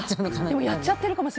私やっちゃってるかも。